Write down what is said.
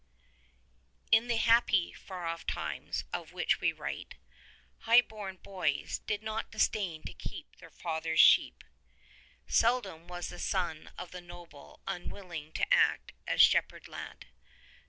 I N the happy far off times of which we write, high born boys did not disdain ta keep their father's sheep. Sel dom was the son of the noble unwilling to act as shepherd lad.